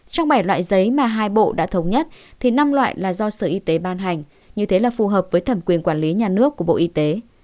trong bảy loại giấy mà hai bộ đã thống nhất thì năm loại là do sở y tế ban hành như thế là phù hợp với thẩm quyền quản lý nhà nước của bộ y tế